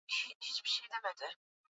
Tubambale atuna na ma kapi